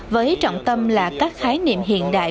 với trọng tâm là các khái niệm hiện đại